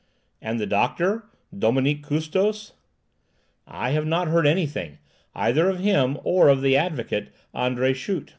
"And the doctor, Dominique Custos?" "I have not heard anything, either of him or of the advocate, André Schut."